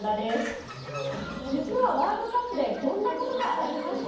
実は、ワールドカップでこんなことがありました。